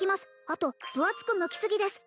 あと分厚くむきすぎです